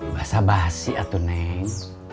basah basih atuh neng